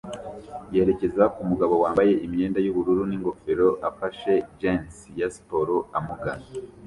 yerekeza ku mugabo wambaye imyenda yubururu n'ingofero afashe gants ya siporo amugana.